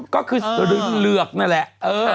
ก็คือเหลือกนั่นแหละ